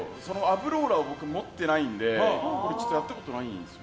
ローラーを僕持ってないのでやったことないんです。